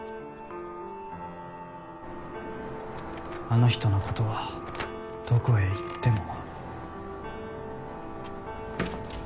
あの人のことはどこへ行っても。